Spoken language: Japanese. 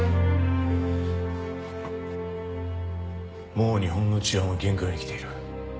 もう日本の治安は限界にきている。